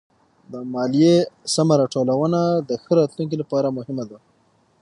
د ماليې سمه راټولونه د ښه راتلونکي لپاره مهمه ده.